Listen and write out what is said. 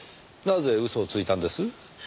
なぜ嘘をついたんです？